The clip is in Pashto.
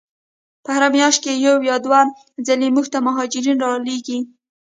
په هره میاشت کې یو یا دوه ځلې موږ ته مهاجرین را لیږي.